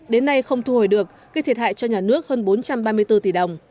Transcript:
đến nay không thu hồi được gây thiệt hại cho nhà nước hơn bốn trăm ba mươi bốn tỷ đồng